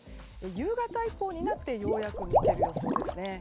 夕方以降になってようやく抜ける予想ですね。